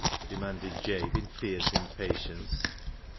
demanded Jabe in fierce impatience.